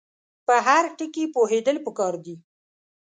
په هر ټکي پوهېدل پکار دي.